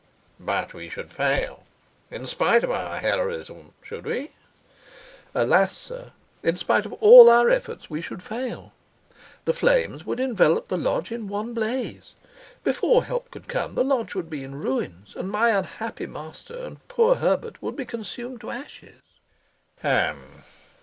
"But we should fail, in spite of our heroism, should we?" "Alas, sir, in spite of all our efforts we should fail. The flames would envelop the lodge in one blaze; before help could come, the lodge would be in ruins, and my unhappy master and poor Herbert would be consumed to ashes." "Hum!"